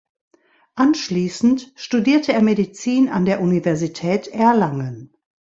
Anschließend studierte er Medizin an der Universität Erlangen.